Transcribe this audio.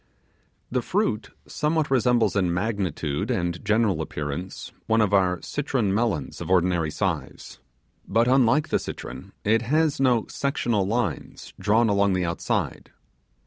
The fruit somewhat resembles in magnitude and general appearance one of our citron melons of ordinary size; but, unlike the citron, it has no sectional lines drawn along the outside.